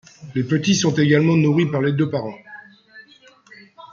Les petits sont également nourris par les deux parents.